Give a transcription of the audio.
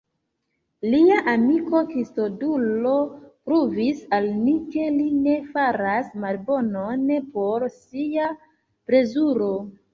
Lia amiko Kristodulo pruvis al ni, ke li ne faras malbonon por sia plezuro.